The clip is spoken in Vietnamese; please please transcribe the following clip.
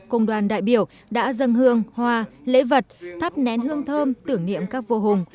công đoàn đại biểu đã dâng hương hoa lễ vật thắp nén hương thơm tưởng niệm các vua hùng